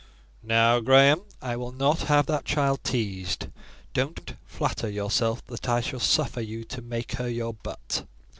"Now, Graham, I will not have that child teased. Don't flatter yourself that I shall suffer you to make her your butt."